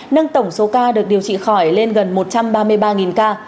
nâng tổng số ca được điều trị khỏi lên gần một trăm ba mươi ba ca